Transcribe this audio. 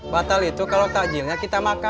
batal itu kalau takjilnya